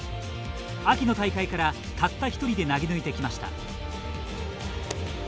秋の大会からたった一人で投げ抜いてきました。